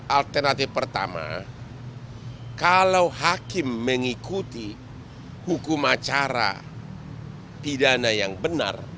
alternatif pertama kalau hakim mengikuti hukum acara pidana yang benar